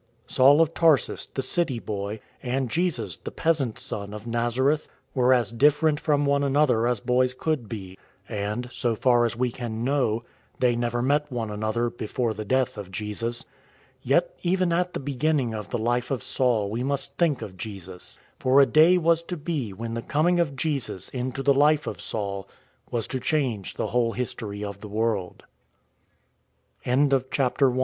Saul of Tarsus, the city boy, and Jesus, the peasant's Son, of Nazareth, were as different from one another as boys could be. And, so far as we can know, they never met one another before the death of Jesus. Yet even at the beginning of the life of Saul we must think of Jesus. For a day was to be when the coming of Jesus into the life